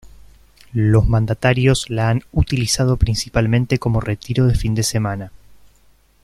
Los mandatarios la han utilizado principalmente como retiro de fin de semana.